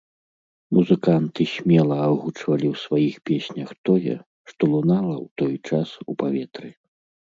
Музыканты смела агучвалі ў сваіх песнях тое, што лунала ў той час у паветры.